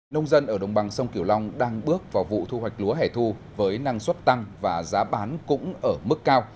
nông dân ở đồng bằng sông kiểu long đang bước vào vụ thu hoạch lúa hẻ thu với năng suất tăng và giá bán cũng ở mức cao